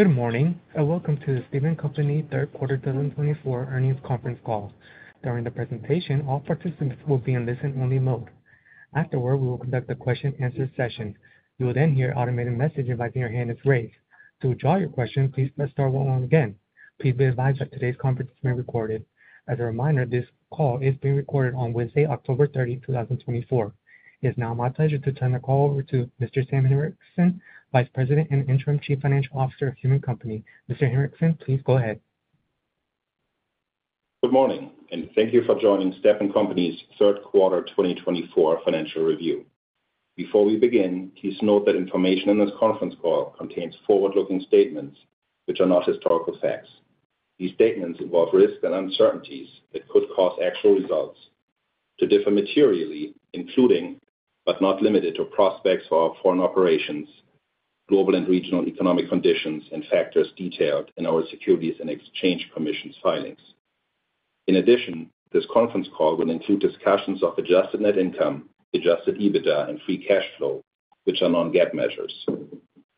Good morning and welcome to the Stepan Company Third Quarter 2024 Earnings Conference Call. During the presentation, all participants will be in listen-only mode. Afterward, we will conduct a question-and-answer session. You will then hear an automated message inviting you to raise your hand. To ask your question, please press star one again. Please be advised that today's conference is being recorded. As a reminder, this call is being recorded on Wednesday, October 30, 2024. It is now my pleasure to turn the call over to Mr. Sam Hinrichsen, Vice President and Interim Chief Financial Officer of Stepan Company. Mr. Hinrichsen, please go ahead. Good morning and thank you for joining Stepan Company's Third Quarter 2024 Financial Review. Before we begin, please note that information in this conference call contains forward-looking statements which are not historical facts. These statements involve risks and uncertainties that could cause actual results to differ materially, including but not limited to prospects for our foreign operations, global and regional economic conditions, and factors detailed in our Securities and Exchange Commission's filings. In addition, this conference call will include discussions of adjusted net income, adjusted EBITDA, and Free Cash Flow, which are non-GAAP measures.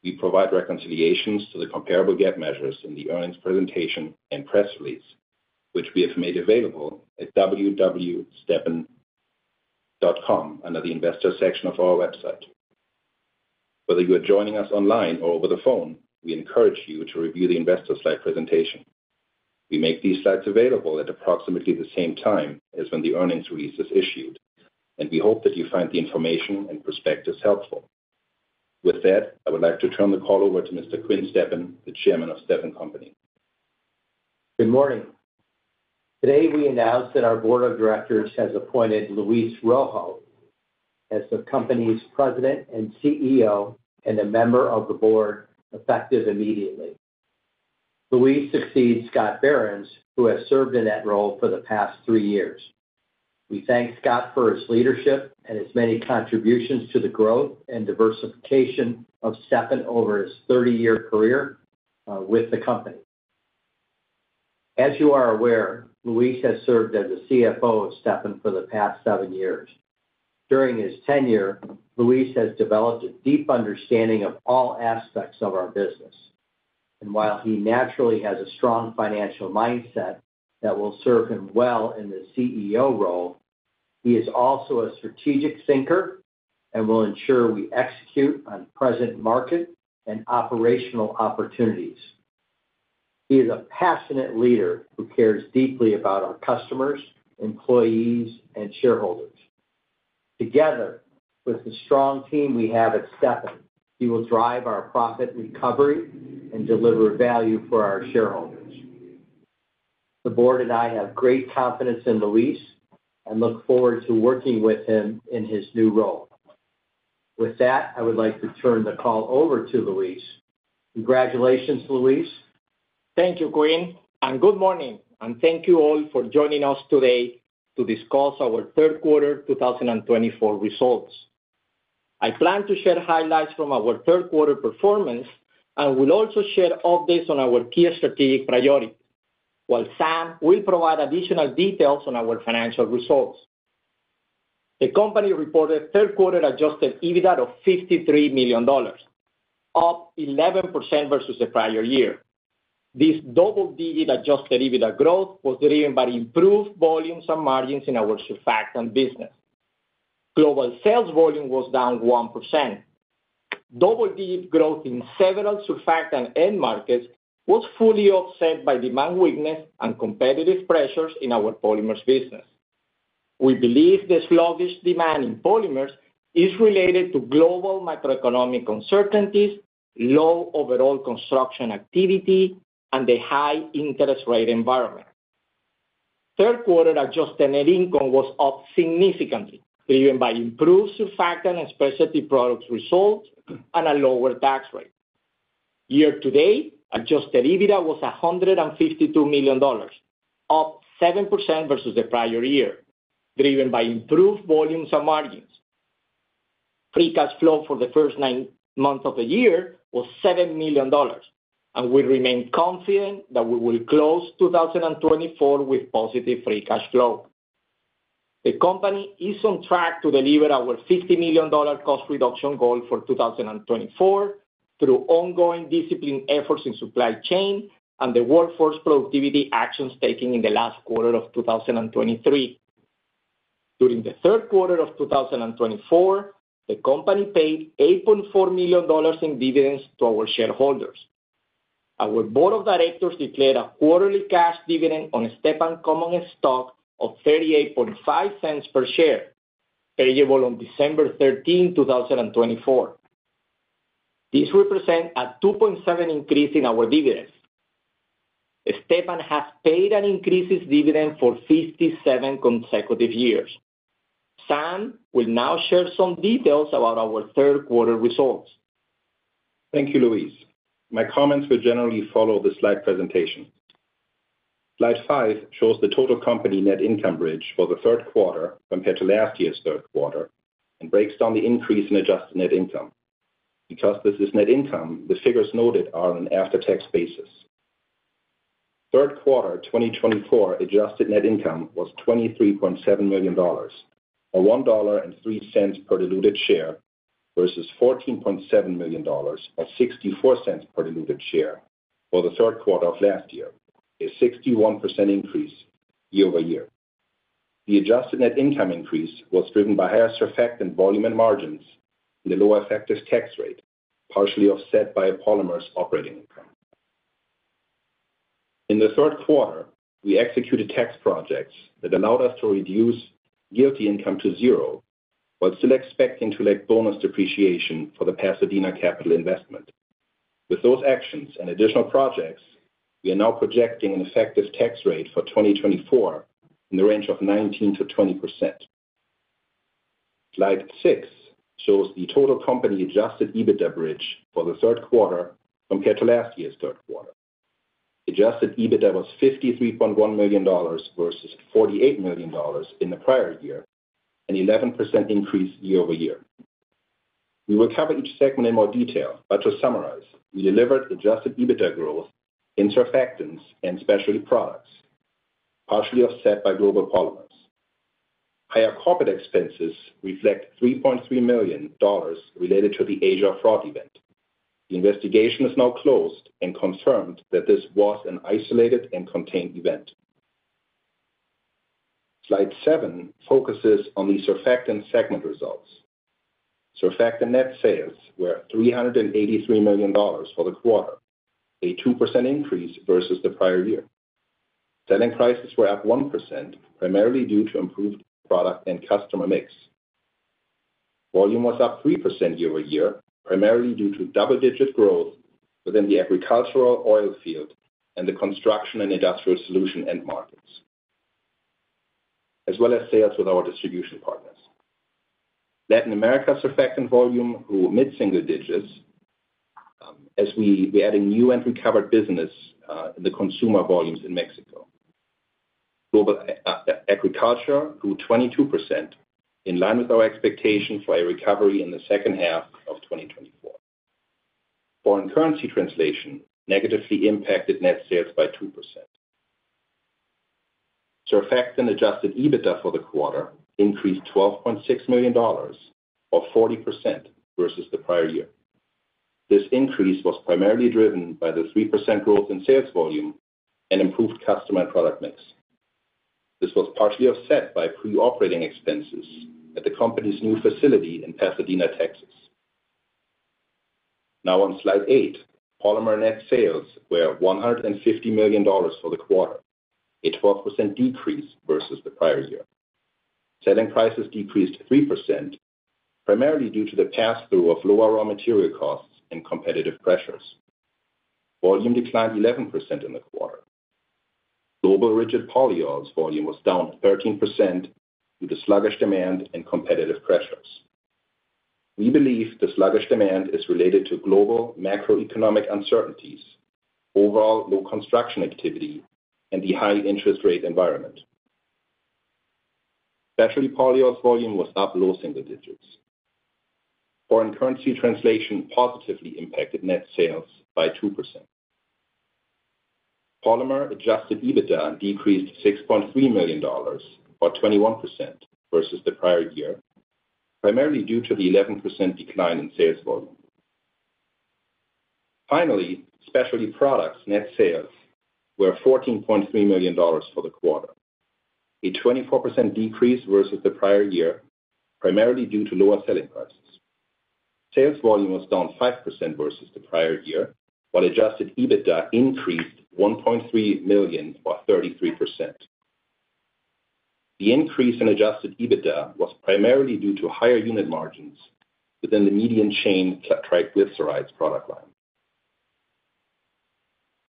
We provide reconciliations to the comparable GAAP measures in the earnings presentation and press release, which we have made available at www.stepan.com under the investor section of our website. Whether you are joining us online or over the phone, we encourage you to review the investor slide presentation. We make these slides available at approximately the same time as when the earnings release is issued, and we hope that you find the information and perspectives helpful. With that, I would like to turn the call over to Mr. Quinn Stepan, the Chairman of Stepan Company. Good morning. Today, we announce that our Board of Directors has appointed Luis Rojo as the Company's President and CEO and a member of the Board effective immediately. Luis succeeds Scott Behrens, who has served in that role for the past three years. We thank Scott for his leadership and his many contributions to the growth and diversification of Stepan over his 30-year career with the company. As you are aware, Luis has served as the CFO of Stepan for the past seven years. During his tenure, Luis has developed a deep understanding of all aspects of our business, and while he naturally has a strong financial mindset that will serve him well in the CEO role, he is also a strategic thinker and will ensure we execute on present market and operational opportunities. He is a passionate leader who cares deeply about our customers, employees, and shareholders. Together with the strong team we have at Stepan, he will drive our profit recovery and deliver value for our shareholders. The board and I have great confidence in Luis and look forward to working with him in his new role. With that, I would like to turn the call over to Luis. Congratulations, Luis. Thank you, Quinn, and good morning, and thank you all for joining us today to discuss our third quarter 2024 results. I plan to share highlights from our third quarter performance and will also share updates on our key strategic priorities, while Sam will provide additional details on our financial results. The company reported third quarter Adjusted EBITDA of $53 million, up 11% versus the prior year. This double-digit Adjusted EBITDA growth was driven by improved volumes and margins in our surfactant business. Global sales volume was down 1%. Double-digit growth in several surfactant end markets was fully offset by demand weakness and competitive pressures in our polymers business. We believe the sluggish demand in polymers is related to global macroeconomic uncertainties, low overall construction activity, and the high interest rate environment. Third quarter adjusted net income was up significantly, driven by improved surfactant and Specialty Products results and a lower tax rate. Year-to-date, adjusted EBITDA was $152 million, up 7% versus the prior year, driven by improved volumes and margins. Free Cash Flow for the first nine months of the year was $7 million, and we remain confident that we will close 2024 with positive Free Cash Flow. The company is on track to deliver our $50 million cost reduction goal for 2024 through ongoing disciplined efforts in supply chain and the workforce productivity actions taken in the last quarter of 2023. During the third quarter of 2024, the company paid $8.4 million in dividends to our shareholders. Our Board of Directors declared a quarterly cash dividend on Stepan common stock of $0.385 per share, payable on December 13, 2024. This represents a 2.7% increase in our dividends. Stepan has paid and increased its dividend for 57 consecutive years. Sam will now share some details about our third quarter results. Thank you, Luis. My comments will generally follow this slide presentation. Slide 5 shows the total company net income bridge for the third quarter compared to last year's third quarter and breaks down the increase in adjusted net income. Because this is net income, the figures noted are on an after-tax basis. Third quarter 2024 adjusted net income was $23.7 million, or $1.03 per diluted share, versus $14.7 million, or $0.64 per diluted share for the third quarter of last year, a 61% increase year-over-year. The adjusted net income increase was driven by higher surfactant volume and margins and a lower effective tax rate, partially offset by polymers' operating income. In the third quarter, we executed tax projects that allowed us to reduce GILTI income to zero while still expecting to let bonus depreciation for the Pasadena capital investment. With those actions and additional projects, we are now projecting an effective tax rate for 2024 in the range of 19%-20%. Slide 6 shows the total company Adjusted EBITDA bridge for the third quarter compared to last year's third quarter. Adjusted EBITDA was $53.1 million versus $48 million in the prior year, an 11% increase year-over-year. We will cover each segment in more detail, but to summarize, we delivered Adjusted EBITDA growth in Surfactants and Specialty Products, partially offset by global Polymers. Higher corporate expenses reflect $3.3 million related to the Asia fraud event. The investigation is now closed and confirmed that this was an isolated and contained event. Slide 7 focuses on the Surfactants segment results. Surfactant net sales were $383 million for the quarter, a 2% increase versus the prior year. Selling prices were up 1%, primarily due to improved product and customer mix. Volume was up 3% year-over-year, primarily due to double-digit growth within the Agricultural, Oilfield and the Construction and Industrial Solutions end markets, as well as sales with our distribution partners. Latin America's surfactant volume grew mid-single digits as we added new and recovered business in the consumer volumes in Mexico. Global agriculture grew 22%, in line with our expectation for a recovery in the second half of 2024. Foreign currency translation negatively impacted net sales by 2%. Surfactant adjusted EBITDA for the quarter increased $12.6 million, or 40% versus the prior year. This increase was primarily driven by the 3% growth in sales volume and improved customer and product mix. This was partially offset by pre-operating expenses at the company's new facility in Pasadena, Texas. Now on slide eight, polymer net sales were $150 million for the quarter, a 12% decrease versus the prior year. Selling prices decreased 3%, primarily due to the pass-through of low raw material costs and competitive pressures. Volume declined 11% in the quarter. Global Rigid Polyols volume was down 13% due to sluggish demand and competitive pressures. We believe the sluggish demand is related to global macroeconomic uncertainties, overall low construction activity, and the high interest rate environment. Specialty Polyols volume was up low single digits. Foreign currency translation positively impacted net sales by 2%. Polymers Adjusted EBITDA decreased $6.3 million, or 21%, versus the prior year, primarily due to the 11% decline in sales volume. Finally, Specialty Products' net sales were $14.3 million for the quarter, a 24% decrease versus the prior year, primarily due to lower selling prices. Sales volume was down 5% versus the prior year, while Adjusted EBITDA increased $1.3 million, or 33%. The increase in adjusted EBITDA was primarily due to higher unit margins within the medium-chain triglycerides product line.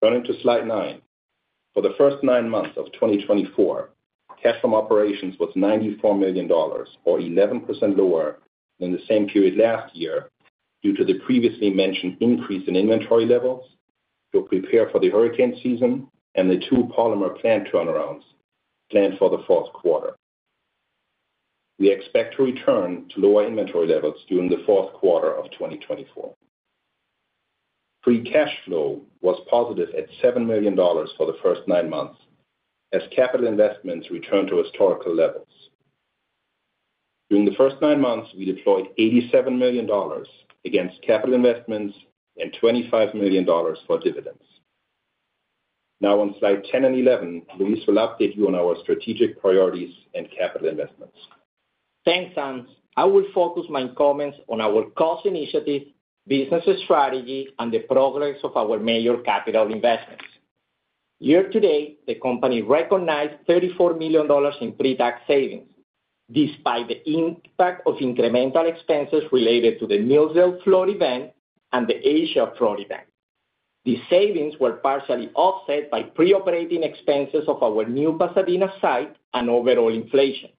Turning to Slide 9, for the first nine months of 2024, cash from operations was $94 million, or 11% lower than the same period last year due to the previously mentioned increase in inventory levels to prepare for the hurricane season and the two polymer plant turnarounds planned for the fourth quarter. We expect to return to lower inventory levels during the fourth quarter of 2024. Free Cash Flow was positive at $7 million for the first nine months as capital investments returned to historical levels. During the first nine months, we deployed $87 million against capital investments and $25 million for dividends. Now on Slide 10 and 11, Luis will update you on our strategic priorities and capital investments. Thanks, Sam. I will focus my comments on our cost initiative, business strategy, and the progress of our major capital investments. Year-to-date, the company recognized $34 million in pre-tax savings despite the impact of incremental expenses related to the Millsdale flood event and the Asia flood event. These savings were partially offset by pre-operating expenses of our new Pasadena site and overall inflation.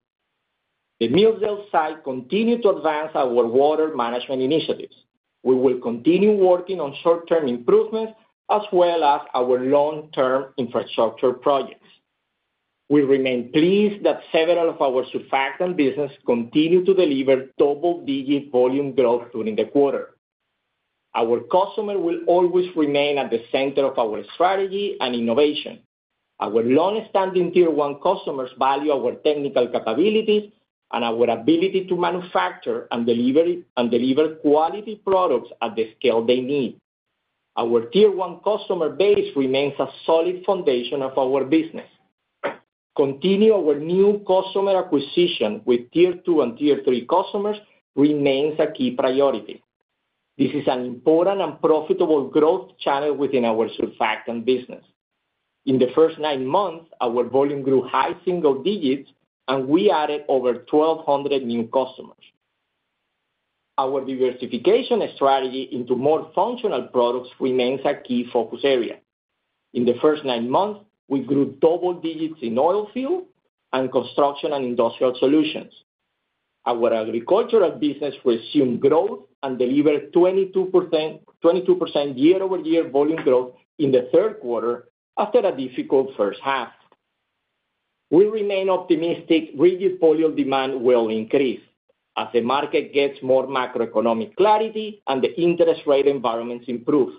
The Millsdale site continued to advance our water management initiatives. We will continue working on short-term improvements as well as our long-term infrastructure projects. We remain pleased that several of our surfactant businesses continue to deliver double-digit volume growth during the quarter. Our customer will always remain at the center of our strategy and innovation. Our long-standing Tier 1 customers value our technical capabilities and our ability to manufacture and deliver quality products at the scale they need. Our Tier 1 customer base remains a solid foundation of our business. Continuing our new customer acquisition with Tier 2 and Tier 3 customers remains a key priority. This is an important and profitable growth channel within our surfactants business. In the first nine months, our volume grew high single digits, and we added over 1,200 new customers. Our diversification strategy into more Functional products remains a key focus area. In the first nine months, we grew double digits in oil field and Construction and Industrial Solutions. Our agricultural business resumed growth and delivered 22% year-over-year volume growth in the third quarter after a difficult first half. We remain optimistic Rigid Polyol demand will increase as the market gets more macroeconomic clarity and the interest rate environments improve.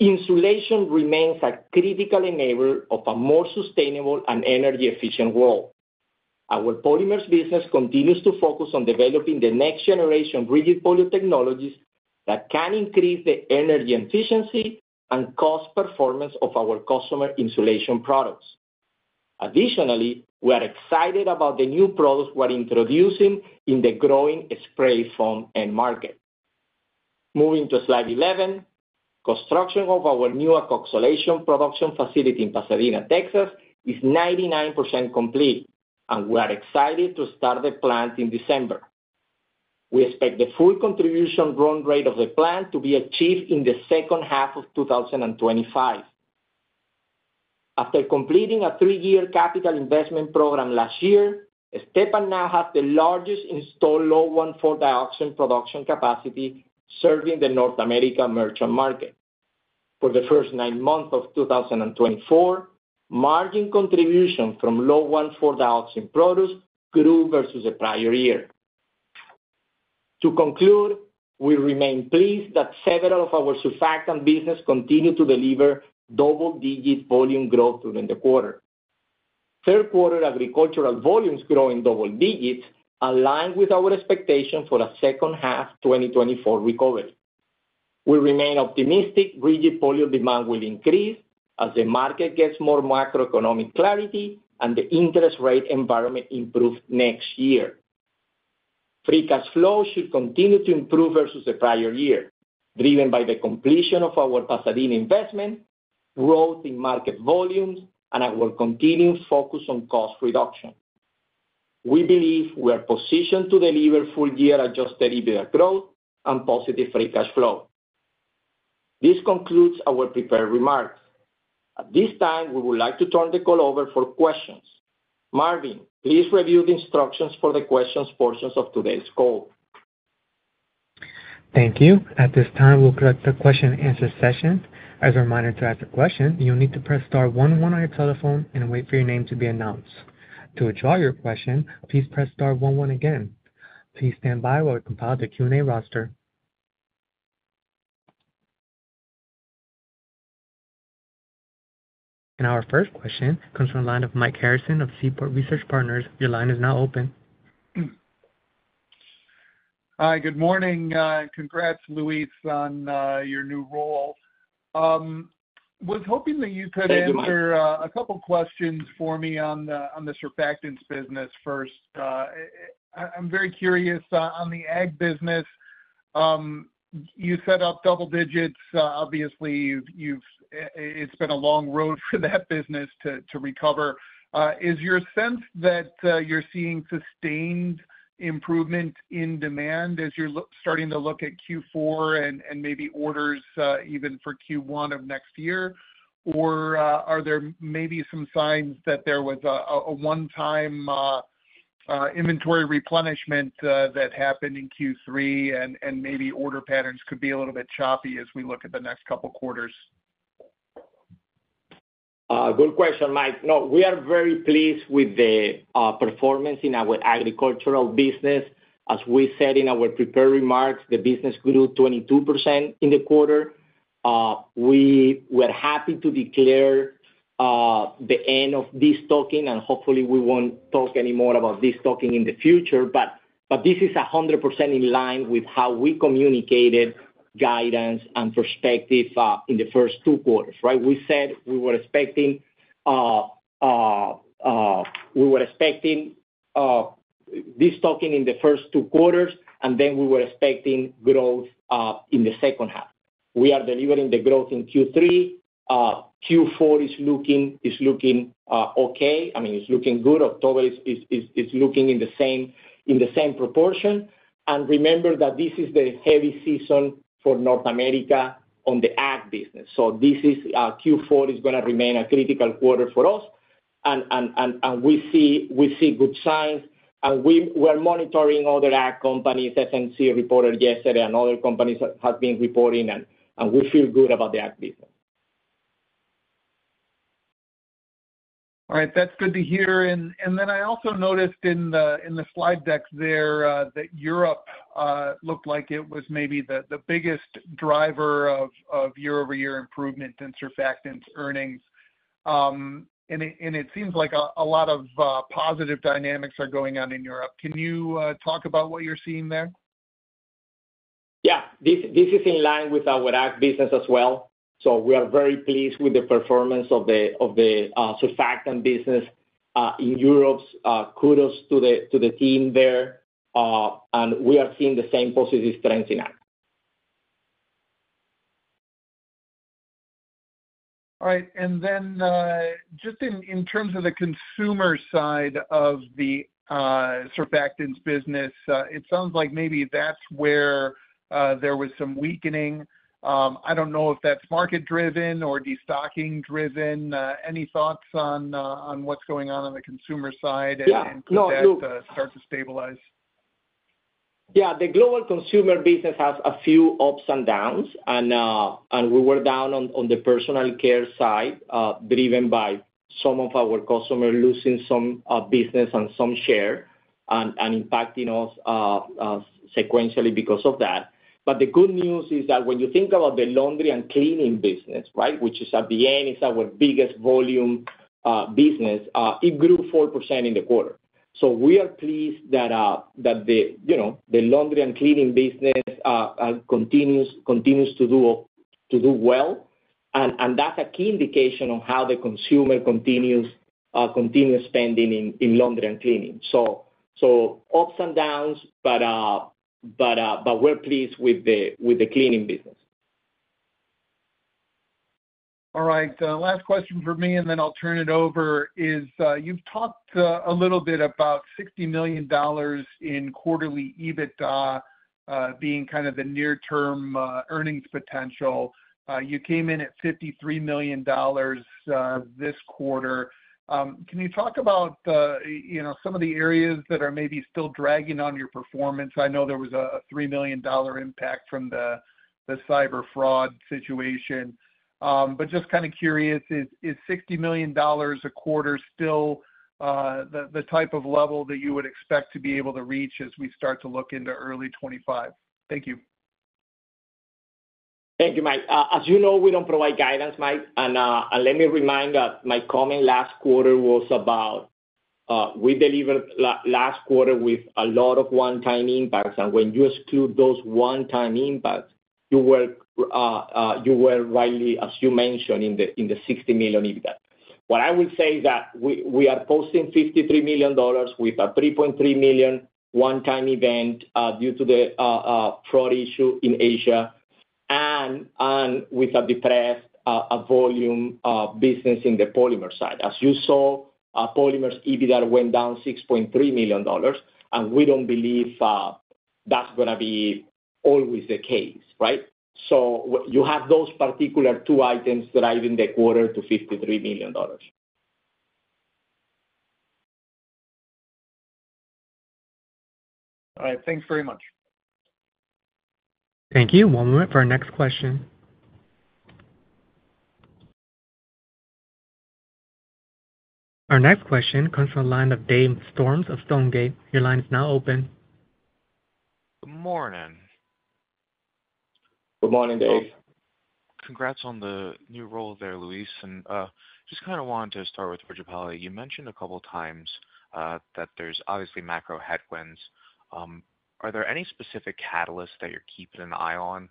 Insulation remains a critical enabler of a more sustainable and energy-efficient world. Our polymers business continues to focus on developing the next-generation rigid polyol technologies that can increase the energy efficiency and cost performance of our customer insulation products. Additionally, we are excited about the new products we are introducing in the growing spray foam end market. Moving to Slide 11, construction of our new alkoxylation production facility in Pasadena, Texas, is 99% complete, and we are excited to start the plant in December. We expect the full contribution run rate of the plant to be achieved in the second half of 2025. After completing a three-year capital investment program last year, Stepan now has the largest installed Low 1,4-dioxane production capacity serving the North America merchant market. For the first nine months of 2024, margin contribution from Low 1,4-dioxane products grew versus the prior year. To conclude, we remain pleased that several of our surfactant businesses continue to deliver double-digit volume growth during the quarter. Third quarter agricultural volumes grew in double digits, aligned with our expectation for a second half 2024 recovery. We remain optimistic rigid polyol demand will increase as the market gets more macroeconomic clarity and the interest rate environment improves next year. Free Cash Flow should continue to improve versus the prior year, driven by the completion of our Pasadena investment, growth in market volumes, and our continued focus on cost reduction. We believe we are positioned to deliver full-year adjusted EBITDA growth and positive Free Cash Flow. This concludes our prepared remarks. At this time, we would like to turn the call over for questions. Marvin, please review the instructions for the questions portions of today's call. Thank you. At this time, we'll collect the question-and-answer session. As a reminder to ask a question, you'll need to press star one one on your telephone and wait for your name to be announced. To withdraw your question, please press star one one again. Please stand by while we compile the Q&A roster. And our first question comes from the line of Mike Harrison of Seaport Research Partners. Your line is now open. Hi, good morning. Congrats, Luis, on your new role. Was hoping that you could answer a couple of questions for me on the surfactants business first. I'm very curious. On the ag business, you set up double digits. Obviously, it's been a long road for that business to recover. Is your sense that you're seeing sustained improvement in demand as you're starting to look at Q4 and maybe orders even for Q1 of next year? Or are there maybe some signs that there was a one-time inventory replenishment that happened in Q3 and maybe order patterns could be a little bit choppy as we look at the next couple of quarters? Good question, Mike. No, we are very pleased with the performance in our agricultural business. As we said in our prepared remarks, the business grew 22% in the quarter. We are happy to declare the end of this trough, and hopefully, we won't talk anymore about this trough in the future. But this is 100% in line with how we communicated guidance and perspective in the first two quarters, right? We said we were expecting this trough in the first two quarters, and then we were expecting growth in the second half. We are delivering the growth in Q3. Q4 is looking okay. I mean, it's looking good. October is looking in the same proportion. And remember that this is the heavy season for North America on the ag business. So Q4 is going to remain a critical quarter for us, and we see good signs. We are monitoring other ag companies. FMC reported yesterday, and other companies have been reporting, and we feel good about the ag business. All right. That's good to hear, and then I also noticed in the slide deck there that Europe looked like it was maybe the biggest driver of year-over-year improvement in surfactants earnings, and it seems like a lot of positive dynamics are going on in Europe. Can you talk about what you're seeing there? Yeah. This is in line with our ag business as well, so we are very pleased with the performance of the surfactant business in Europe. Kudos to the team there, and we are seeing the same positive trends in ag. All right, and then just in terms of the consumer side of the surfactants business, it sounds like maybe that's where there was some weakening. I don't know if that's market-driven or destocking-driven. Any thoughts on what's going on on the consumer side and could that start to stabilize? Yeah. The global consumer business has a few ups and downs. And we were down on the personal care side, driven by some of our customers losing some business and some share and impacting us sequentially because of that. But the good news is that when you think about the laundry and cleaning business, right, which at the end is our biggest volume business, it grew 4% in the quarter. So we are pleased that the laundry and cleaning business continues to do well. And that's a key indication of how the consumer continues spending in laundry and cleaning. So ups and downs, but we're pleased with the cleaning business. All right. Last question for me, and then I'll turn it over, is you've talked a little bit about $60 million in quarterly EBITDA being kind of the near-term earnings potential. You came in at $53 million this quarter. Can you talk about some of the areas that are maybe still dragging on your performance? I know there was a $3 million impact from the cyber fraud situation. But just kind of curious, is $60 million a quarter still the type of level that you would expect to be able to reach as we start to look into early 2025? Thank you. Thank you, Mike. As you know, we don't provide guidance, Mike. And let me remind that my comment last quarter was about we delivered last quarter with a lot of one-time impacts. And when you exclude those one-time impacts, you were rightly, as you mentioned, in the $60 million EBITDA. What I will say is that we are posting $53 million with a $3.3 million one-time event due to the fraud issue in Asia and with a depressed volume business in the Polymers side. As you saw, Polymers EBITDA went down $6.3 million. And we don't believe that's going to be always the case, right? So you have those particular two items driving the quarter to $53 million. All right. Thanks very much. Thank you. One moment for our next question. Our next question comes from the line of Dave Storms of Stonegate. Your line is now open. Good morning. Good morning, Dave. Congrats on the new role there, Luis, and just kind of wanted to start with Rigid Polyols. You mentioned a couple of times that there's obviously macro headwinds. Are there any specific catalysts that you're keeping an eye on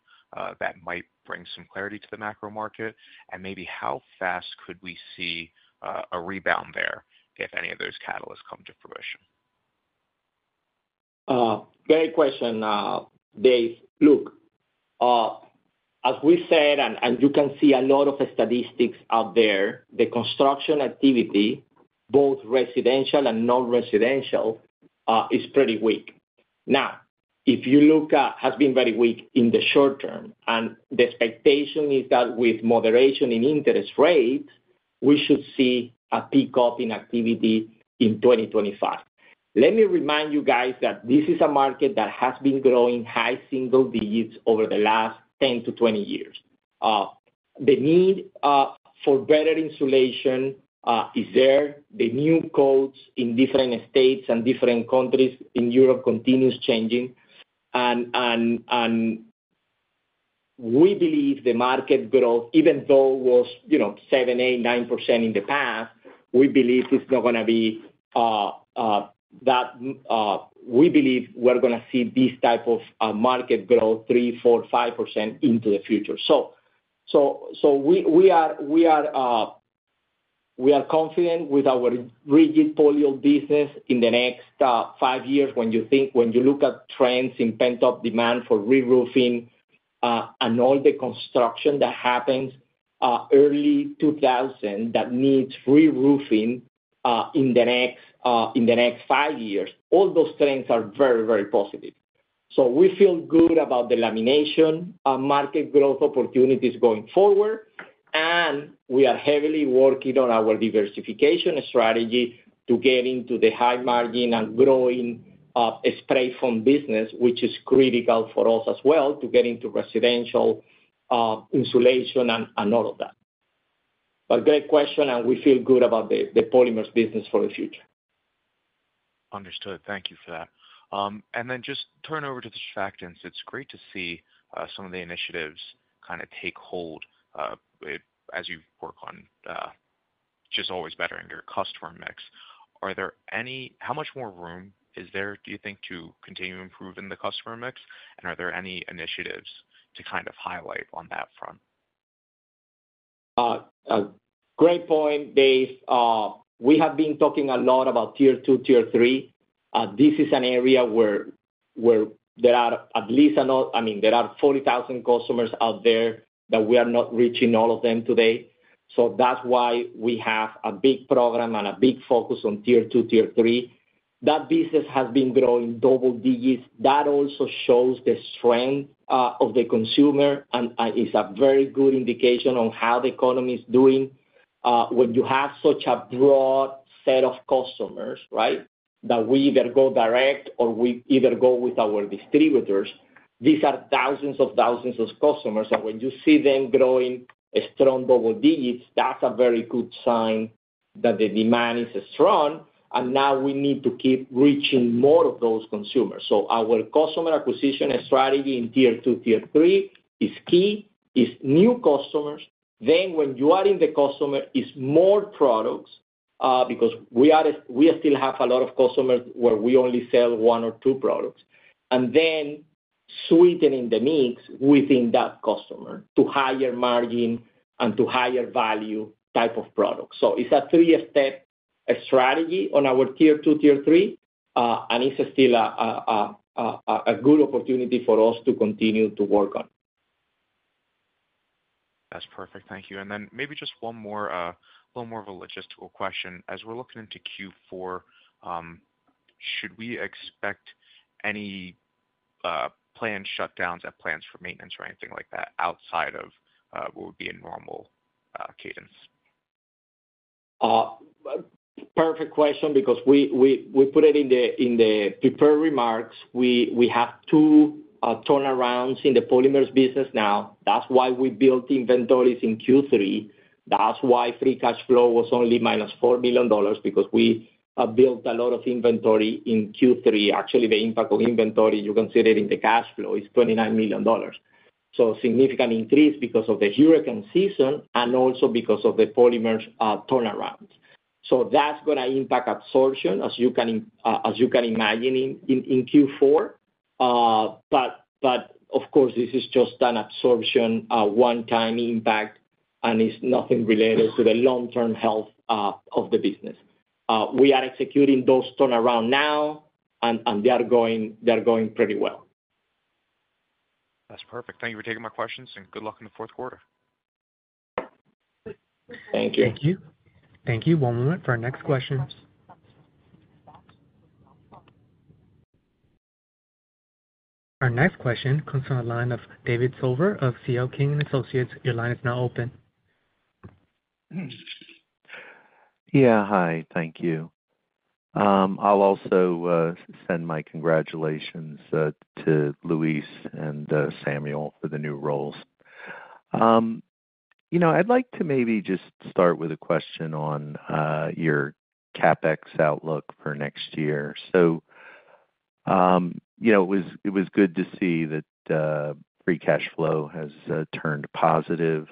that might bring some clarity to the macro market, and maybe how fast could we see a rebound there if any of those catalysts come to fruition? Great question, Dave. Look, as we said, and you can see a lot of statistics out there, the construction activity, both residential and non-residential, is pretty weak. Now, if you look at it, it has been very weak in the short term, and the expectation is that with moderation in interest rates, we should see a pick up in activity in 2025. Let me remind you guys that this is a market that has been growing high single digits over the last 10 years - 20 years. The need for better insulation is there. The new codes in different states and different countries in Europe continue changing. And we believe the market growth, even though it was seven, eight, nine percent in the past, we believe it's not going to be that we believe we're going to see this type of market growth three, four, five percent into the future. So we are confident with our rigid polyol business in the next five years when you look at trends in pent-up demand for re-roofing and all the construction that happens early 2000s that needs re-roofing in the next five years. All those trends are very, very positive. So we feel good about the lamination market growth opportunities going forward. And we are heavily working on our diversification strategy to get into the high-margin and growing spray foam business, which is critical for us as well to get into residential insulation and all of that. But great question, and we feel good about the polymers business for the future. Understood. Thank you for that. And then just turn over to the surfactants. It's great to see some of the initiatives kind of take hold as you work on just always bettering your customer mix. How much more room is there, do you think, to continue improving the customer mix? And are there any initiatives to kind of highlight on that front? Great point, Dave. We have been talking a lot about tier two, tier three. This is an area where there are at least I mean, there are 40,000 customers out there that we are not reaching all of them today. So that's why we have a big program and a big focus on tier two, tier three. That business has been growing double digits. That also shows the strength of the consumer and is a very good indication on how the economy is doing when you have such a broad set of customers, right, that we either go direct or we either go with our distributors. These are thousands of thousands of customers. And when you see them growing strong double digits, that's a very good sign that the demand is strong. And now we need to keep reaching more of those consumers. So our customer acquisition strategy in tier two, tier three is key. It's new customers. Then when you are in the customer, it's more products because we still have a lot of customers where we only sell one or two products. And then sweetening the mix within that customer to higher margin and to higher value type of products. So it's a three-step strategy on our tier two, tier three. And it's still a good opportunity for us to continue to work on. That's perfect. Thank you. And then maybe just one more of a logistical question. As we're looking into Q4, should we expect any planned shutdowns or plans for maintenance or anything like that outside of what would be a normal cadence? Perfect question because we put it in the prepared remarks. We have two turnarounds in the polymers business now. That's why we built inventories in Q3. That's why Free Cash Flow was only minus $4 million because we built a lot of inventory in Q3. Actually, the impact of inventory, you can see it in the cash flow, is $29 million. So significant increase because of the hurricane season and also because of the polymers turnaround. So that's going to impact absorption, as you can imagine, in Q4. But of course, this is just an absorption, one-time impact, and it's nothing related to the long-term health of the business. We are executing those turnarounds now, and they are going pretty well. That's perfect. Thank you for taking my questions, and good luck in the fourth quarter. Thank you. Thank you. One moment for our next question. Our next question comes from the line of David Silver of CL King & Associates. Your line is now open. Yeah. Hi. Thank you. I'll also send my congratulations to Luis and Samuel for the new roles. I'd like to maybe just start with a question on your CapEx outlook for next year, so it was good to see that Free Cash Flow has turned positive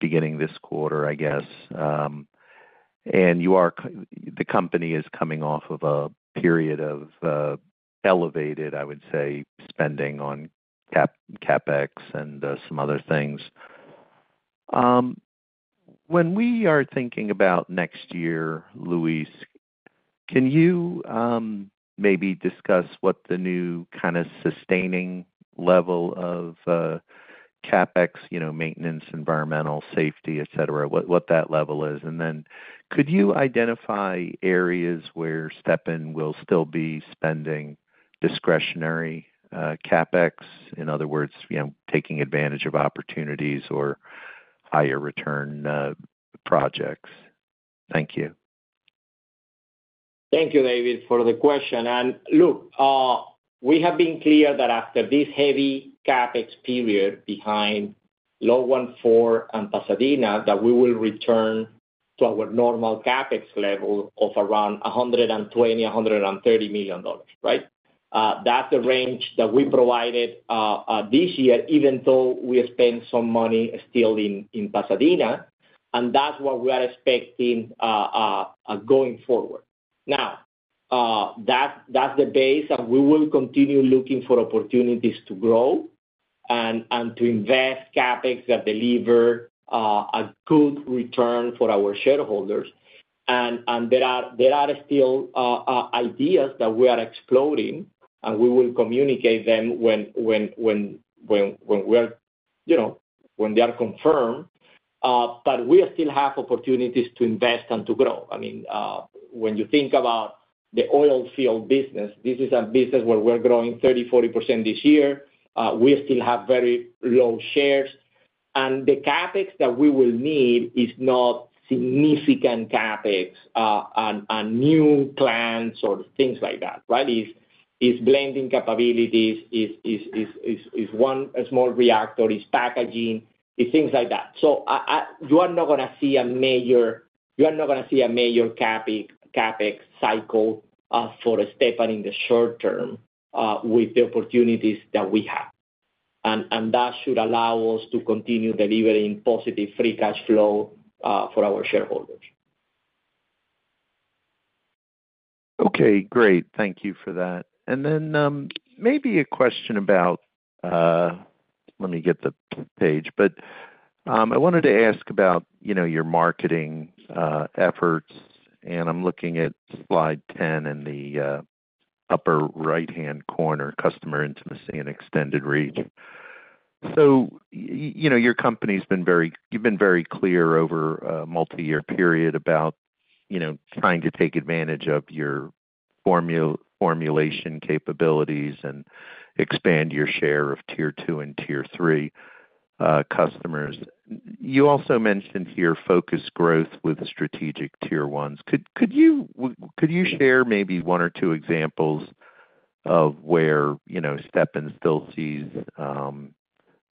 beginning this quarter, I guess, and the company is coming off of a period of elevated, I would say, spending on CapEx and some other things. When we are thinking about next year, Luis, can you maybe discuss what the new kind of sustaining level of CapEx, maintenance, environmental, safety, etc., what that level is, and then could you identify areas where Stepan will still be spending discretionary CapEx? In other words, taking advantage of opportunities or higher return projects? Thank you. Thank you, David, for the question. And look, we have been clear that after this heavy CapEx period behind Low 1,4 and Pasadena that we will return to our normal CapEx level of around $120 million - $130 million, right? That's the range that we provided this year, even though we have spent some money still in Pasadena. And that's what we are expecting going forward. Now, that's the base. And we will continue looking for opportunities to grow and to invest CapEx that deliver a good return for our shareholders. And there are still ideas that we are exploring, and we will communicate them when they are confirmed. But we still have opportunities to invest and to grow. I mean, when you think about the oil field business, this is a business where we're growing 30%-40% this year. We still have very low shares. And the CapEx that we will need is not significant CapEx and new plans or things like that, right? It's blending capabilities. It's one small reactor. It's packaging. It's things like that. So you are not going to see a major CapEx cycle for Stepan in the short term with the opportunities that we have. And that should allow us to continue delivering positive Free Cash Flow for our shareholders. Okay. Great. Thank you for that. I wanted to ask about your marketing efforts. And I'm looking at slide 10 in the upper right-hand corner, customer intimacy and extended reach. So you've been very clear over a multi-year period about trying to take advantage of your formulation capabilities and expand your share of Tier 2 and Tier 3 customers. You also mentioned here focused growth with strategic Tier 1s. Could you share maybe one or two examples of where Stepan still sees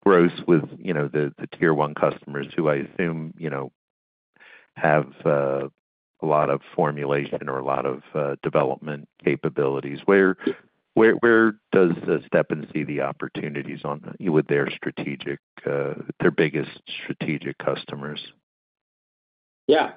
growth with the Tier 1 customers who I assume have a lot of formulation or a lot of development capabilities? Where does Stepan see the opportunities with their biggest strategic customers? Yeah.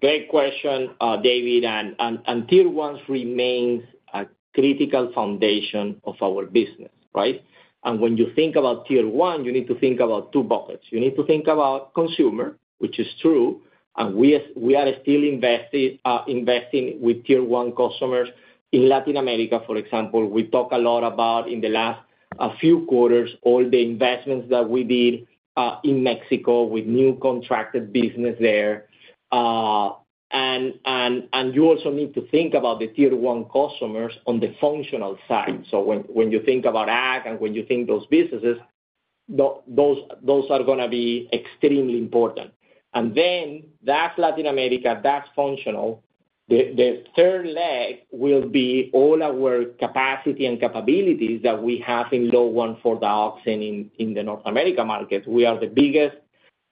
Great question, David, and tier ones remain a critical foundation of our business, right, and when you think about tier one, you need to think about two buckets. You need to think about consumer, which is true, and we are still investing with tier one customers. In Latin America, for example, we talk a lot about in the last few quarters, all the investments that we did in Mexico with new contracted business there, and you also need to think about the tier one customers on the functional side, so when you think about ag and when you think those businesses, those are going to be extremely important, and then that's Latin America, that's functional. The third leg will be all our capacity and capabilities that we have in Low 1,4-dioxane in the North America market. We are the biggest,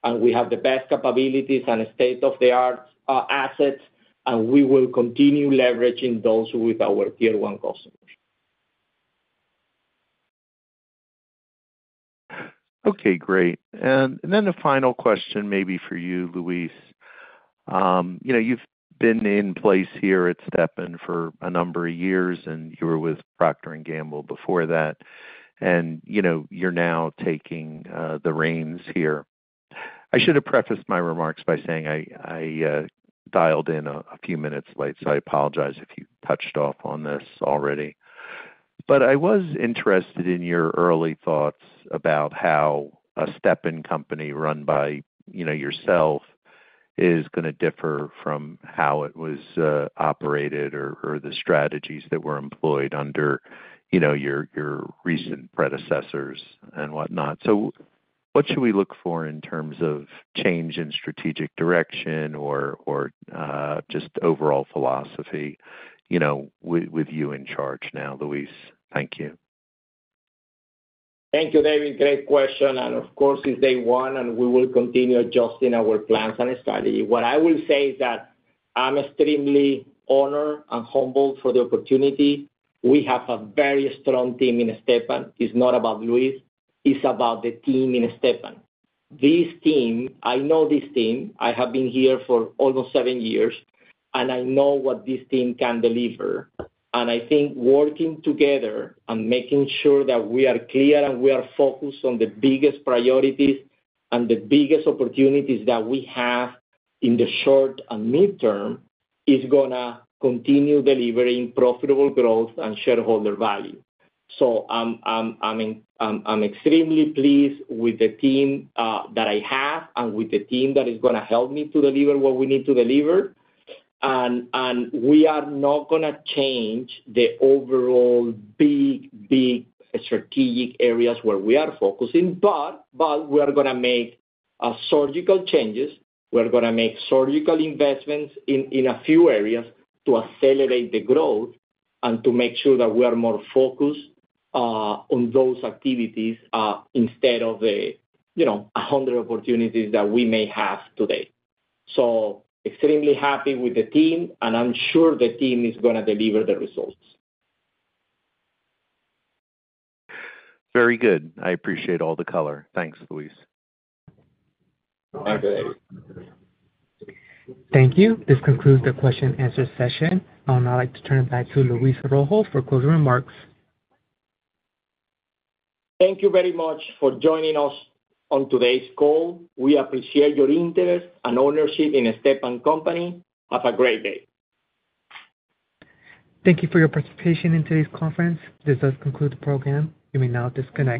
and we have the best capabilities and state-of-the-art assets, and we will continue leveraging those with our tier one customers. Okay. Great. And then a final question maybe for you, Luis. You've been in place here at Stepan for a number of years, and you were with Procter & Gamble before that. And you're now taking the reins here. I should have prefaced my remarks by saying I dialed in a few minutes late, so I apologize if you touched on this already. But I was interested in your early thoughts about how a Stepan company run by yourself is going to differ from how it was operated or the strategies that were employed under your recent predecessors and whatnot. So what should we look for in terms of change in strategic direction or just overall philosophy with you in charge now, Luis? Thank you. Thank you, David. Great question, and of course, it's day one, and we will continue adjusting our plans and strategy. What I will say is that I'm extremely honored and humbled for the opportunity. We have a very strong team in Stepan. It's not about Luis. It's about the team in Stepan. This team, I know this team. I have been here for almost seven years, and I know what this team can deliver, and I think working together and making sure that we are clear and we are focused on the biggest priorities and the biggest opportunities that we have in the short and midterm is going to continue delivering profitable growth and shareholder value, so I'm extremely pleased with the team that I have and with the team that is going to help me to deliver what we need to deliver. And we are not going to change the overall big, big strategic areas where we are focusing, but we are going to make surgical changes. We're going to make surgical investments in a few areas to accelerate the growth and to make sure that we are more focused on those activities instead of the 100 opportunities that we may have today. So extremely happy with the team, and I'm sure the team is going to deliver the results. Very good. I appreciate all the color. Thanks, Luis. Thank you, David. Thank you. This concludes the question-and-answer session. I'll now like to turn it back to Luis Rojo for closing remarks. Thank you very much for joining us on today's call. We appreciate your interest and ownership in Stepan Company. Have a great day. Thank you for your participation in today's conference. This does conclude the program. You may now disconnect.